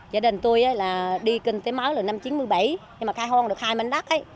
gia đình tôi đi kinh tế máy vào năm một nghìn chín trăm chín mươi bảy nhưng mà khai hoang được hai máy đắt